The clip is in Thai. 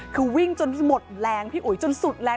คือวิ่งจนหมดแรงพี่อุ๋ยจนสุดแรง